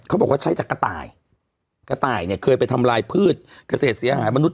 บอกว่าใช้จากกระต่ายกระต่ายเนี่ยเคยไปทำลายพืชเกษตรเสียหายมนุษ